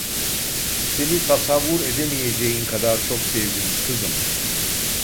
Seni tasavvur edemeyeceğin kadar çok sevdim kızım…